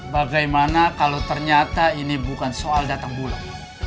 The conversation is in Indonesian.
bagai mana kalau ternyata ini bukan soal datang bulan